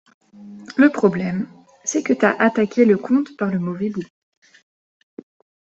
Le problème, c’est que t’as attaqué le conte par le mauvais bout.